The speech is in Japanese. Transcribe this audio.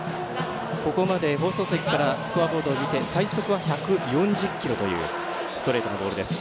ここまで放送席からスコアボードを見て最速は１４０キロというストレートのボールです。